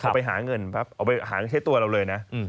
พอไปหาเงินปั๊บเอาไปหาใช้ตัวเราเลยนะ